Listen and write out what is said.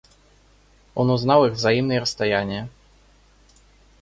Он узнал их взаимные расстояния.